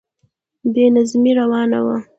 بې نظمی روانه وه.